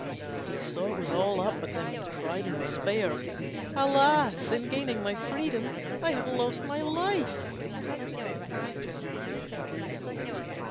He saw it was all up with him, and cried in despair, "Alas, in gaining my freedom I have lost my life."